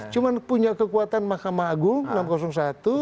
cuma punya kekuatan mahkamah agung enam ratus satu